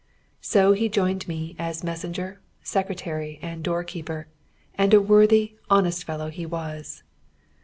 So he joined me as messenger, secretary, and door keeper, and a worthy, honest fellow he was.